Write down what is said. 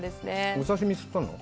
お刺身、釣ったの？